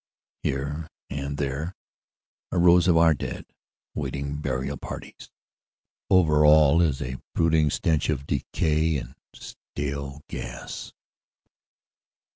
Here and there are rows of our dead, awaiting burial parties. Over all is a brooding stench of decay and stale gas.